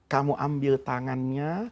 kamu ambil tangannya